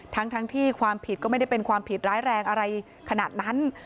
ทั้งที่ความผิดก็ไม่ได้เป็นความผิดร้ายแรงอะไรขนาดนั้น